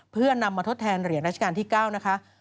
เพื่อนำมาทดแทนเหรียญราชการที่๙นะคะ